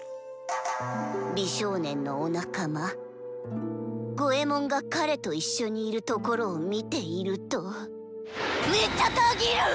美少年のおなかまゴエモンが彼と一緒にいるところを見ているとめっちゃたぎる！